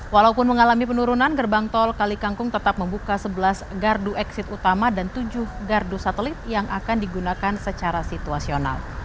walaupun mengalami penurunan gerbang tol kalikangkung tetap membuka sebelas gardu eksit utama dan tujuh gardu satelit yang akan digunakan secara situasional